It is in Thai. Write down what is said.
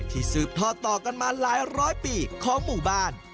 สืบทอดต่อกันมาหลายร้อยปีของหมู่บ้าน